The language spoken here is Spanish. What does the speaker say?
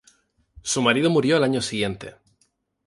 Su marido murió al año siguiente.